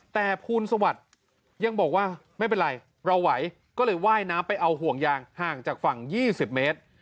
แต่ภูลสวัสดิ์ยังบอกว่าไม่เป็นไรเราไหวก็เลยว่ายน้ำไปเอาห่วงยางห่างจากฝั่ง๒๐เมตร